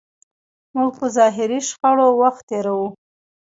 موږ په ظاهري شخړو وخت تېروو.